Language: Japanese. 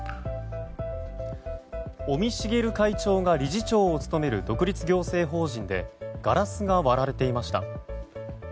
尾身茂会長が理事長を務める独立行政法人でガラスが割られていました。